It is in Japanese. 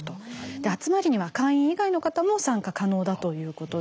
集まりには会員以外の方も参加可能だということで。